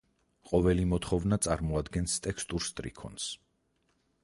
ყოველი მოთხოვნა წარმოადგენს ტექსტურ სტრიქონს.